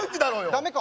ダメか。